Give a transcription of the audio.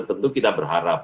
tentu kita berharap